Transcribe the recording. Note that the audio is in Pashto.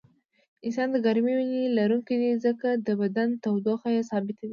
انسان د ګرمې وینې لرونکی دی ځکه د بدن تودوخه یې ثابته وي